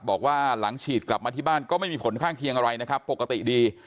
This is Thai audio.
บอกว่าหลังฉีดกลับมาที่บ้านก็ไม่มีผลข้างเคียงอะไรนะครับปกติดี